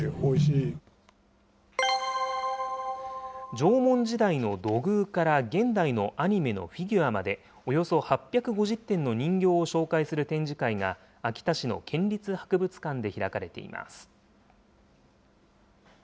縄文時代の土偶から現代のアニメのフィギュアまで、およそ８５０点の人形を紹介する展示会が、秋田市の県立博物館で開かれています。